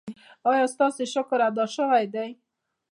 ایا ستاسو شکر ادا شوی دی؟